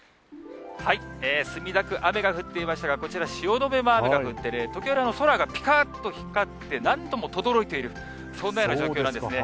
墨田区、雨が降っていましたが、こちら、汐留も雨が降って、時折、空がぴかっと光って、何度もとどろいている、そんなような状況なんですね。